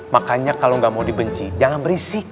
makanya kalau nggak mau dibenci jangan berisik